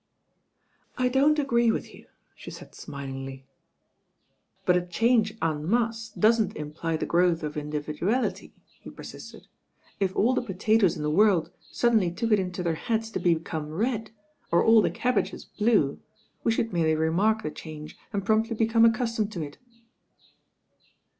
"I don't agree with you," she said smilingly. "But a change en masse doesn't imply the growth of individuality," he persisted. "If all the potatoes in the world suddenly took it into their heads to be come red, or all the cabbages blue, we should merely remark the change and promptly become accus* tomed to it."